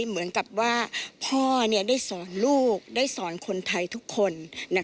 เหมือนกับว่าพ่อได้สอนลูกได้สอนคนไทยทุกคน